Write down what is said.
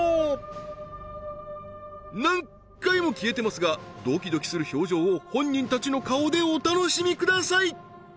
何回も消えてますがドキドキする表情を本人たちの顔でお楽しみください